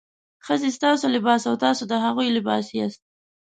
ښځې ستاسو لباس او تاسې د هغوی لباس یاست.